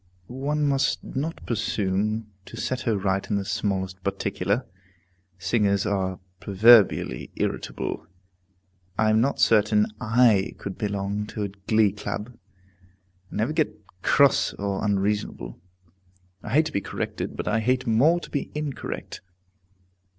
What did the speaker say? One must not presume to set her right in the smallest particular. Singers are proverbially irritable! I am not certain I could belong to a glee club, and never get cross or unreasonable. I hate to be corrected; but I hate more to be incorrect.